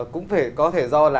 cũng có thể do là